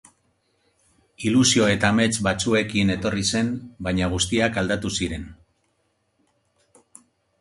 Ilusio eta amets batzuekin etorri zen, baina guztiak aldatu ziren.